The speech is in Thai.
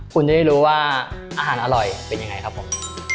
คุณจะได้รู้ว่าอาหารอร่อยเป็นยังไงครับผม